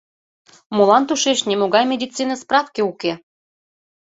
Молан тушеч нимогай медицине справке уке?